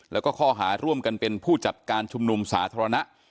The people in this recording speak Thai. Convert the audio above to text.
แล้วก็ข้อหาร่วมกันเป็นผู้จัดการชุมนุมสาธารณะ